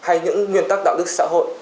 hay những nguyên tắc đạo đức xã hội